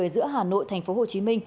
giữa hà nội tp hcm